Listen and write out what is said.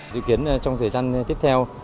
dự kiến trong thời gian tiếp theo